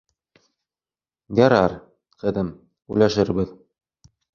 — Ярар, ҡыҙым, уйлашырбыҙ.